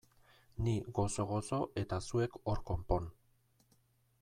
Ni gozo-gozo eta zuek hor konpon!